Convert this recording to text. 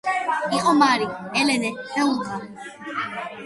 იყო მარი, ელენე და ლუკა